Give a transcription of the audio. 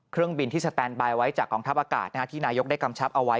เครื่องบินที่สแตนบายไว้จากกองทัพอากาศที่นายกได้กำชับเอาไว้